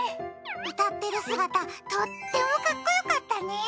歌ってる姿とってもかっこよかったね。